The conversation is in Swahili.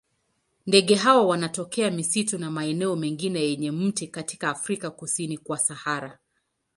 Ndege hawa wanatokea misitu na maeneo mengine yenye miti katika Afrika kusini kwa Sahara.